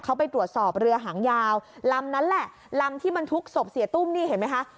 เขาไปตรวจสอบเรือหางยาวลำนั้นแหละลำที่บรรทุกศพเสียตุ้มนี่เห็นไหมคะ